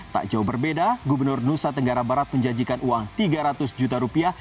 tak jauh berbeda gubernur nusa tenggara barat menjanjikan uang tiga ratus juta rupiah